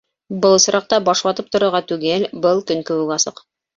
Был осраҡта баш ватып торорға түгел, был көн кеүек асыҡ.